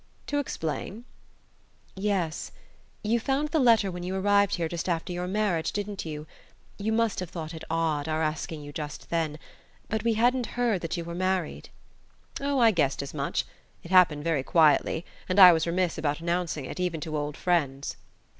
"To explain?" "Yes. You found the letter when you arrived here just after your marriage, didn't you? You must have thought it odd, our asking you just then; but we hadn't heard that you were married." "Oh, I guessed as much: it happened very quietly, and I was remiss about announcing it, even to old friends."